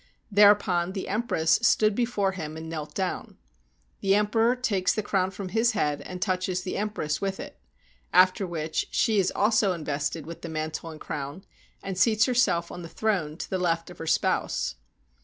Thereupon the empress stood before him and knelt down. The em peror takes the crown from his head and touches the em press with it, after which she is also invested with mantle and crown, and seats herself on the throne to the left of her spouse.